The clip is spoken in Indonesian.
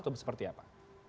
atau seperti apa